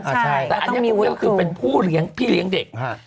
ใช่มันต้องมีวิวครูแต่อันนี้ก็คือเป็นพี่เลี้ยงเด็ก